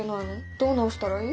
どう直したらいい？